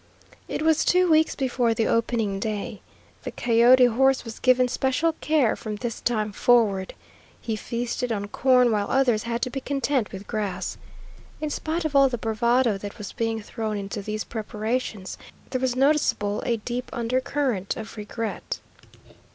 It was two weeks before the opening day. The coyote horse was given special care from this time forward. He feasted on corn, while others had to be content with grass. In spite of all the bravado that was being thrown into these preparations, there was noticeable a deep undercurrent of regret.